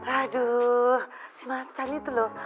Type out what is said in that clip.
aduh si macan itu loh